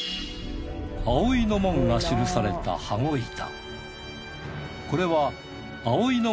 葵の紋が記された羽子板。